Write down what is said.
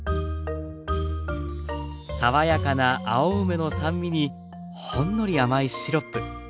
爽やかな青梅の酸味にほんのり甘いシロップ。